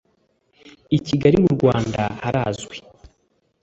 i kigali mu rwanda harazwi